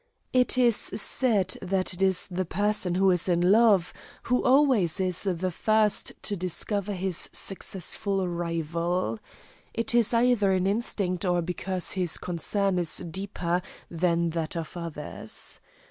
It is said that it is the person who is in love who always is the first to discover his successful rival. It is either an instinct or because his concern is deeper than that of others.